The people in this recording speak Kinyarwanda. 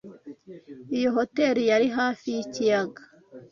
Iyo hoteri yari hafi yikiyaga.